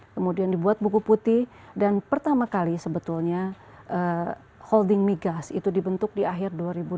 kemudian dibuat buku putih dan pertama kali sebetulnya holding migas itu dibentuk di akhir dua ribu dua puluh